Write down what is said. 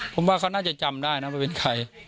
ผมว่าเขาน่าจะจำได้นะว่าเป็นใคร